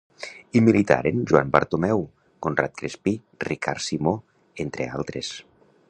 Hi militaren Joan Bartomeu, Conrad Crespí, Ricard Simó, entre altres.